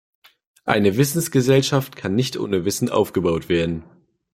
Eine Wissensgesellschaft kann nicht ohne Wissen aufgebaut werden.